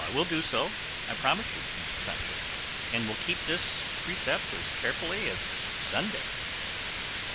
"I will do so, I promise you," answered Sancho, "and will keep this precept as carefully as Sunday."